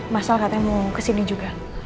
mas al katanya mau kesini juga